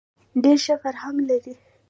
ډېر ښه فرهنګ لري.